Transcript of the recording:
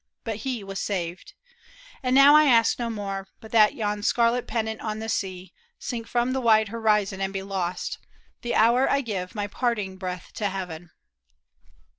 But he was saved ! and now I ask no more But that yon scarlet pennon on the sea. Sink from the wide horizon and be lost. The hour I give my parting breath to heaven.